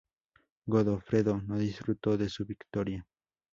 Godofredo no disfrutó de su victoria.